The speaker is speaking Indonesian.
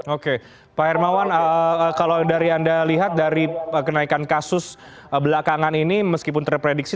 oke pak hermawan kalau dari anda lihat dari kenaikan kasus belakangan ini meskipun terprediksi